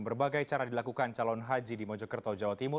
berbagai cara dilakukan calon haji di mojokerto jawa timur